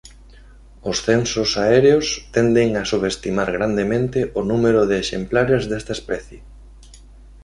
Os censos aéreos tenden a subestimar grandemente o número de exemplares desta especie.